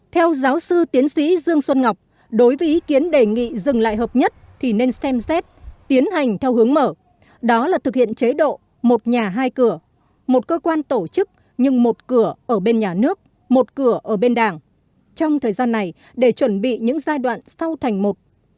theo giáo sư tiến sĩ dương xuân ngọc đối với ý kiến đề nghị dừng lại hợp nhất thì nên xem xét tiến hành theo hướng mở đó là thực hiện chế độ một nhà hai cửa một cơ quan tổ chức nhưng một cửa ở bên nhà nước một cửa ở bên đảng trong thời gian này để chuẩn bị những giai đoạn sau thành một